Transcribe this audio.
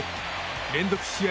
連続試合